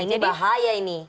ini bahaya ini